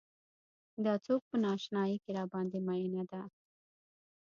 دا څوک په نا اشنايۍ کې راباندې مينه ده.